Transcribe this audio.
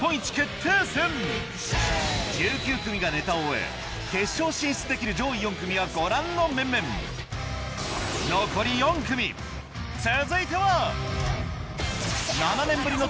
１９組がネタを終え決勝進出できる上位４組はご覧の面々続いては⁉